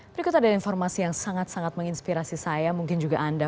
berikut ada informasi yang sangat sangat menginspirasi saya mungkin juga anda